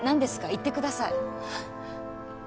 言ってください